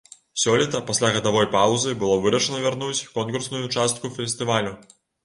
Сёлета, пасля гадавой паўзы, было вырашана вярнуць конкурсную частку фестывалю.